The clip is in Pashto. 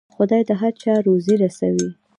خدای د هر چا روزي رسوي.